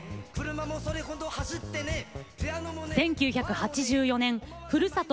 １９８４年ふるさと